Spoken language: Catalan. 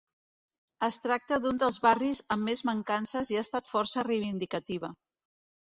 Es tracta d'un dels barris amb més mancances i ha estat força reivindicativa.